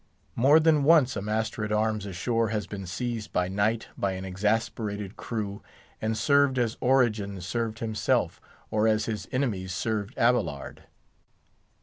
More than once a master at arms ashore has been seized by night by an exasperated crew, and served as Origen served himself, or as his enemies served Abelard.